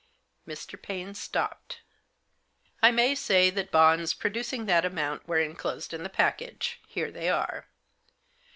" Mr. Paine stopped. " I may say that bonds producing that amount were enclosed in the package. Here they are."